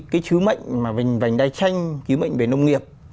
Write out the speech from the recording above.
cái chứa mệnh mà vành đai xanh chứa mệnh về nông nghiệp